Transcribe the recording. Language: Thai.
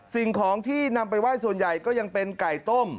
สิ่งของที่นำไปไหว้ส่วนใหญ่ก็ยังเป็นไก่ต้ม